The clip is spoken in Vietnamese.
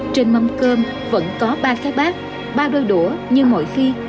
trên mâm cơm vẫn có ba cái bát ba đôi đũa như mỗi khi